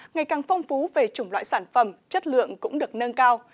ngày càng phong phú về chủng loại sản phẩm chất lượng cũng được nâng cao